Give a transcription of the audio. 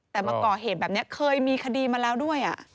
แต่มาก่อเหตุแบบนี้เคยมีคดีมาแล้วด้วย